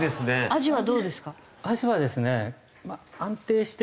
アジはどうですか？